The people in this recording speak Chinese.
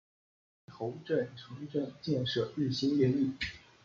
南头镇城镇建设日新月异。